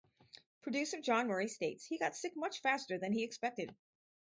Producer Jon Murray states, He got sick much faster than he expected.